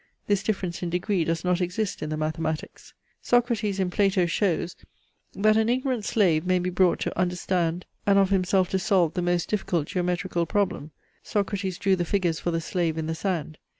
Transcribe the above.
This difference in degree does not exist in the mathematics. Socrates in Plato shows, that an ignorant slave may be brought to understand and of himself to solve the most difficult geometrical problem. Socrates drew the figures for the slave in the sand.